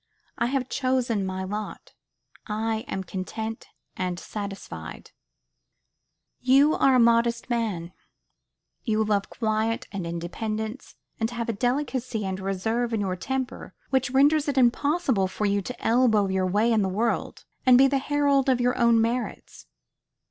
I have chosen my lot. I am content and satisfied. You are a modest man you love quiet and independence, and have a delicacy and reserve in your temper which renders it impossible for you to elbow your way in the world, and be the herald of your own merits.